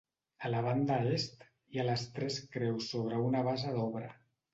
A la banda est hi ha les tres creus sobre una base d'obra.